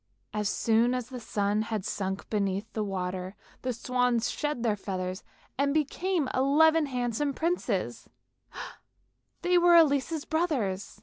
As soon as the sun had sunk beneath the water the swans shed their feathers and became eleven handsome princes; they were Elise's brothers.